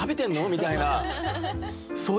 みたいな。